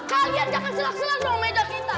kalian jangan silah silah dong meja kita